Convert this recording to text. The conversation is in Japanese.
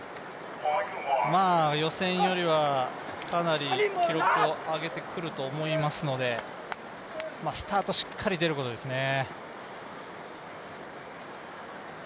予選よりはかなり記録を上げてくると思いますので、スタートしっかり出ることですね。